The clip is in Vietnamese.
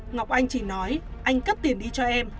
ngọc anh chỉ nói anh cắt tiền đi cho em